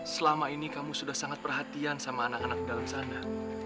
selama ini kamu sudah sangat perhatian sama anak anak di dalam sana